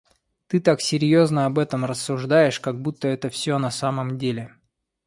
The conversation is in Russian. Ты так серьёзно об этом рассуждаешь, как будто это всё на самом деле!